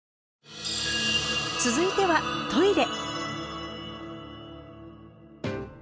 続いてはトイレ。